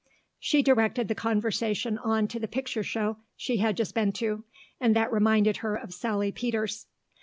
She directed the conversation on to the picture show she had just been to, and that reminded her of Sally Peters.